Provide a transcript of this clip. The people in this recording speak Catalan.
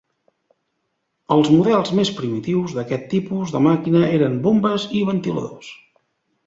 Els models més primitius d'aquest tipus de màquina eren bombes i ventiladors.